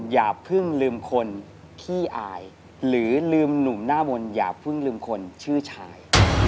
อย่าพึ่งลืมคนชื่อชาย